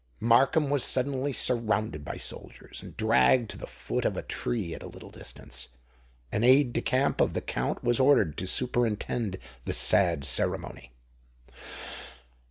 Markham was instantly surrounded by soldiers, and dragged to the foot of a tree at a little distance. An aide de camp of the Count was ordered to superintend the sad ceremony.